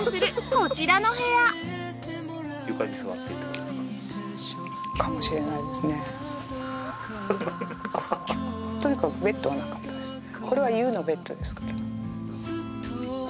これは佑のベッドですから。